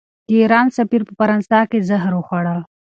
د ایران سفیر په فرانسه کې زهر وخوړل.